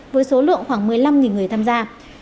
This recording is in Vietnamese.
với số lượng khoảng một mươi năm người tham gia